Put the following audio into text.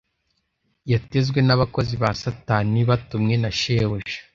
yatezwe n’abakozi ba Satani, batumwe na shebuja